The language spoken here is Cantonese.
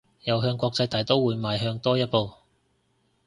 又向國際大刀會邁向多一步